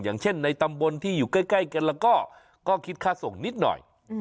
อย่างเช่นในตำบลที่อยู่ใกล้กันแล้วก็คิดค่าส่งนิดหน่อย